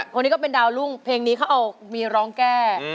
คนนี้ก็เป็นดาวรุ่งเพลงนี้เขาเอามีร้องแก้